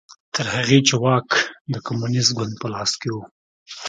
تر هغې چې واک د کمونېست ګوند په لاس کې و